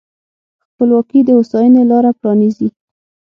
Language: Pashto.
خپلواکي د هوساینې لاره پرانیزي.